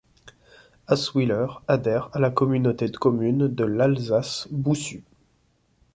Asswiller adhère à la communauté de communes de l'Alsace Bossue.